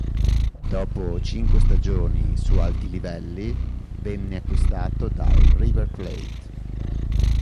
Dopo cinque stagioni su alti livelli, venne acquistato dal River Plate.